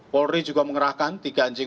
polri juga mengerahkan tiga anjing